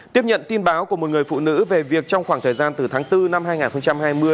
tiếp nhận tin báo của một người phụ nữ về việc trong khoảng thời gian từ tháng bốn năm hai nghìn hai mươi